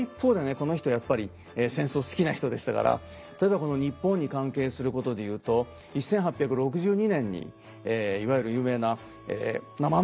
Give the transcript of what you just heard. この人やっぱり戦争好きな人でしたから例えばこの日本に関係することで言うと１８６２年にえいわゆる有名な生麦事件という事件。